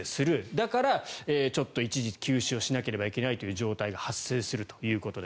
だから、ちょっと一時休止をしなければいけないという状況が発生すると。